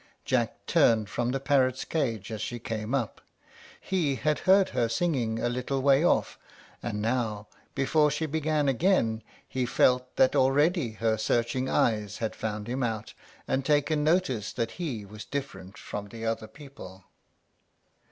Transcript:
Jack turned from the parrot's cage as she came up. He had heard her singing a little way off, and now, before she began again, he felt that already her searching eyes had found him out, and taken notice that he was different from the other people.